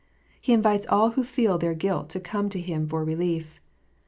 He invites all who feel their guilt to come to Him for relief.